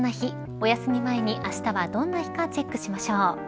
おやすみ前にあしたはどんな日かチェックしましょう。